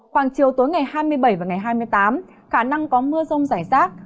khoảng chiều tối ngày hai mươi bảy và ngày hai mươi tám khả năng có mưa rông rải rác